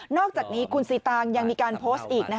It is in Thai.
อกจากนี้คุณซีตางยังมีการโพสต์อีก